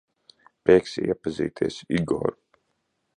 Prieks iepazīties, Igor.